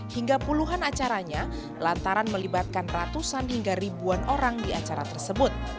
hingga puluhan acaranya lantaran melibatkan ratusan hingga ribuan orang di acara tersebut